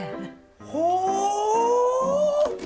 ほう。